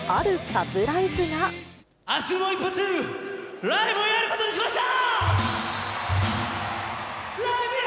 あすも一発、ライブをやることにしました。